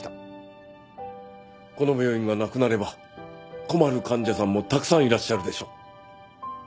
この病院がなくなれば困る患者さんもたくさんいらっしゃるでしょう。